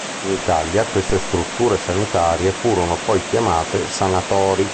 In Italia queste strutture sanitarie furono poi chiamate "sanatori".